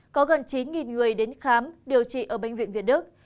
có gần chín người đến khám điều trị ở bệnh viện việt đức